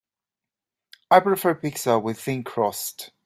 I prefer pizza with thin crust.